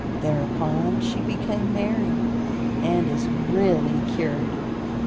Thereupon she became merry and is really cured."